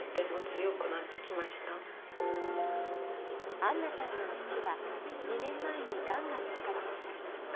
アンナさんの父は２年前にがんが見つかりました。